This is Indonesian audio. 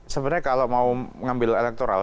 sebenarnya kalau mau ngambil elektoral